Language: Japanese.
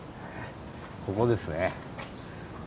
ここですね。